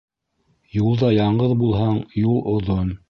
Юлда яңғыҙ булһаң, юл оҙон